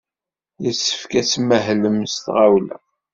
Yessefk ad tmahlem s tɣawla.